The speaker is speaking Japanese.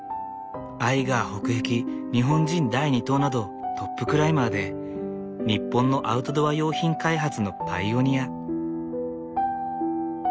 アイガー北壁日本人第２登などトップクライマーで日本のアウトドア用品開発のパイオニア。